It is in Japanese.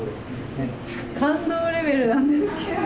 感動レベルなんですけど。